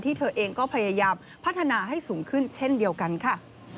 เธอเองก็พยายามพัฒนาให้สูงขึ้นเช่นเดียวกันค่ะ